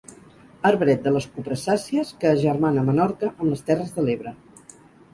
Arbret de les cupressàcies que agermana Menorca amb les Terres de l'Ebre.